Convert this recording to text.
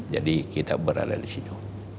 jadi kita berada di situ